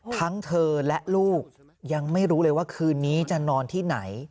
ทั้งเธอและลูกยังไม่รู้เลยว่าคืนนี้จะนอนที่ไหน